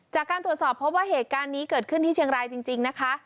จากการตรวจสอบพบว่าเหตุการณ์นี้เกิดขึ้นที่เชียงรายจริงนะคะ